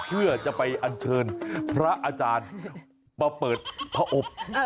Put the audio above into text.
เพื่อจะไปอัญเชิญพระอาจารย์มาเปิดพระอบ